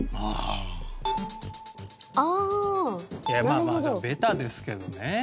まあまあでもベタですけどね。